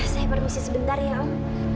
saya bermisi sebentar ya om